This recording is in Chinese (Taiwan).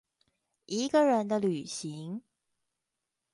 一個人的旅行